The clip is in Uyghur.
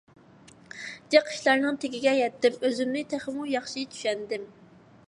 جىق ئىشلارنىڭ تېگىگە يەتتىم، ئۆزۈمنى تېخىمۇ ياخشى چۈشەندىم.